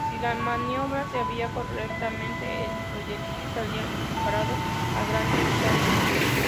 Si la maniobra se hacía correctamente, el proyectil salía disparado a grandes distancias.